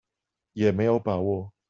也沒有把握